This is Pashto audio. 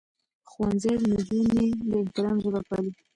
ښوونځی نجونې د احترام ژبه پالي.